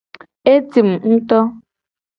Etim ngto.